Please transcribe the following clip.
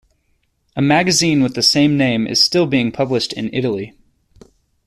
A magazine with the same name is still being published in Italy.